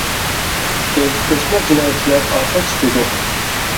بىز ئۆسمۈر جىنايەتچىلەر ئاخىر تۇتۇلدۇق.